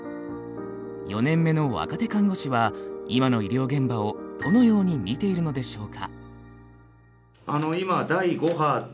４年目の若手看護師は今の医療現場をどのように見ているのでしょうか。